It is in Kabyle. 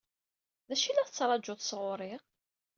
D acu i la tettṛaǧuḍ sɣur-i?